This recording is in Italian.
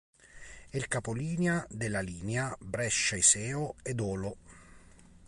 È il capolinea della linea Brescia-Iseo-Edolo.